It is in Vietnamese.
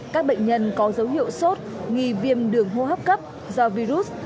các bệnh nhân có dấu hiệu sốt nghi viêm đường hô hấp cấp do virus